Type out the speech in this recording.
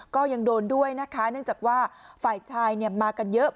ก็ยังโดนด้วยนะคะเนื่องจากว่าฝ่ายชายมากันเยอะ